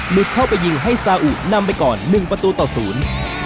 หลุดเข้าไปยิงให้ซาอุดีอาราเบียนำไปก่อน๑ประตูเต่าศูนย์